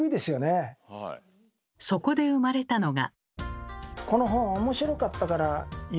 そこで生まれたのが。